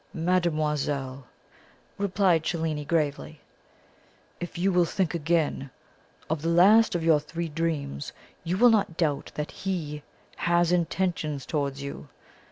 "Mademoiselle," replied Cellini gravely, "if you will think again of the last of your three dreams, you will not doubt that he HAS intentions towards you.